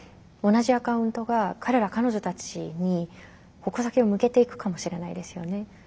同じアカウントが彼ら彼女たちに矛先を向けていくかもしれないですよね。